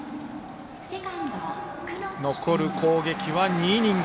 残る攻撃は２イニング。